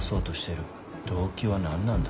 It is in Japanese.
動機は何なんだ？